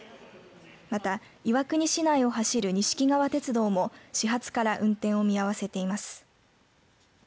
また、岩国市内を走る錦川鉄道も始発から運転を見合わせています。